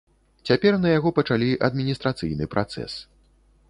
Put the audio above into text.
Цяпер на яго пачалі адміністрацыйны працэс.